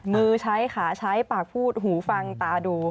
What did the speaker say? มือใช้ขาใช้ปากพูดหูฟังตาดู